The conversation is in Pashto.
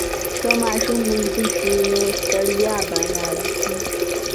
که ماشوم ویده شي، نو ستړیا به لاړه شي.